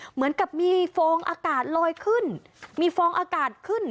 เหมือนกับมีฟองอากาศลอยขึ้นมีฟองอากาศขึ้น